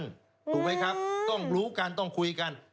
ถูกไหมครับต้องรู้กันต้องคุยกัน